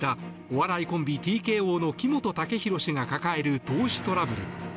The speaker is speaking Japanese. お笑いコンビＴＫＯの木本武宏氏が抱える投資トラブル。